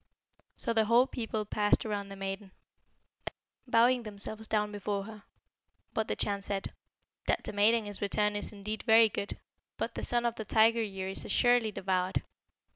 So the whole people passed around the maiden, bowing themselves down before her. But the Chan said, 'That the maiden is returned is indeed very good. But the Son of the Tiger year is assuredly devoured.'